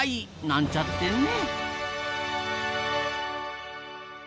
なんちゃってね。